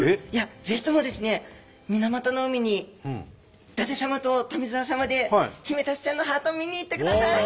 ぜひともですね水俣の海に伊達様と富澤様でヒメタツちゃんのハートを見に行ってください！